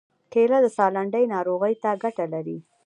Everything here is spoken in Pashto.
کېله د ساه لنډۍ ناروغۍ ته ګټه لري.